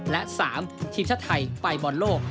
และ๓ทีมชาติไทยไปบอลโลก